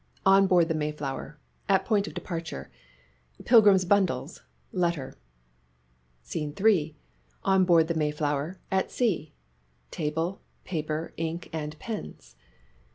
"ON BOARD THE 'MAYFLOWER' AT POINT OF DEPARTURE." Pilgrims' bundles, letter. SCENE III. " ON BOARD THE ' MAYFLOWER ' AT SEA." Table, paper, ink and pens.